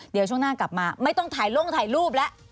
เดี๋ยวช่วงหน้ากลับมาไม่ต้องถ่ายลงถ่ายรูปแล้ว